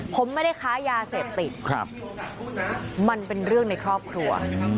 ผมไม่ได้ค้ายาเสพติดมันเป็นเรื่องในครอบครัว